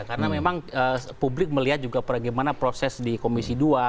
karena memang publik melihat juga bagaimana proses di komisi dua